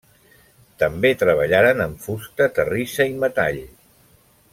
També treballaren amb fusta, terrissa i metall.